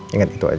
ingat itu aja